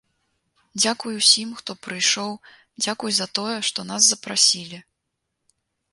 Дзякуй усім, хто прыйшоў, дзякуй за тое, што нас запрасілі.